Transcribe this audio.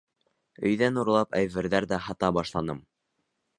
Өйҙән урлап әйберҙәр ҙә һата башланым.